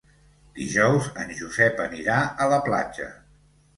Dijous en Josep anirà a la platja.